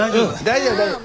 大丈夫大丈夫。